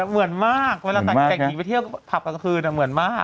เหมือนมากเวลาแต่งหญิงไปเที่ยวผับกลางคืนเหมือนมาก